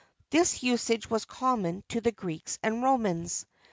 [XXX 22] This usage was common to the Greeks and Romans.